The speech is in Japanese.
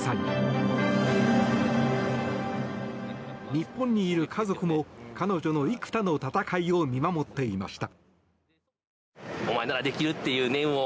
日本にいる家族も彼女の幾多の戦いを見守っていました。